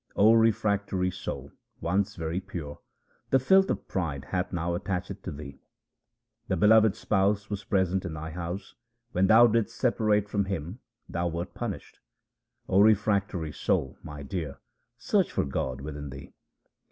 O refractory soul, once very pure, the filth of pride hath now attached to thee. The Beloved Spouse was present in thy house ; when thou didst separate from Him, thou wert punished. O refractory soul, my dear, search for God within thee.